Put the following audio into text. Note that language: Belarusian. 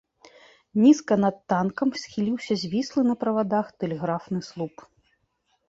Нізка над танкам схіліўся звіслы на правадах тэлеграфны слуп.